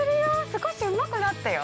少しうまくなったよ。